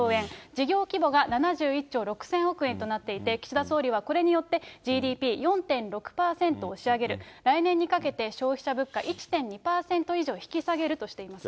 事業規模が７１兆６０００億円となっていて、岸田総理はこれによってＧＤＰ４．６％押し上げる、来年にかけて消費者物価１．２％以上引き下げるとしています。